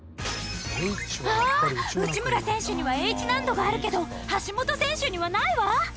あっ、内村選手にはＨ難度があるけど橋本選手にはないわ。